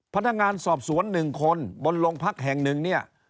พนักงานสอบสวนหนึ่งคนบนโรงพักแห่งหนึ่ง